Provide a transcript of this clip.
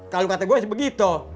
kalau kata gue sih begitu